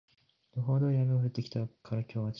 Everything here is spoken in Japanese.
予報通り雨が降ってきたから今日は中止